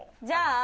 じゃあ。